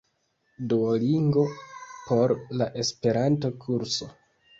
Duolingo por la Esperanto-kurso